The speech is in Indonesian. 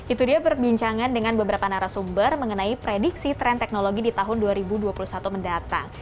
itu dia perbincangan dengan beberapa narasumber mengenai prediksi tren teknologi di tahun dua ribu dua puluh satu mendatang